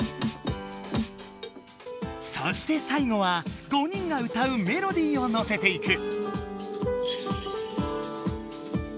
そしてさいごは５人が歌うメロディーをのせていく。